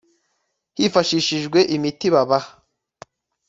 hifashishijwe imiti babaha